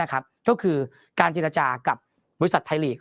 ก็คือการเจรจากับบริษัทไทยลีก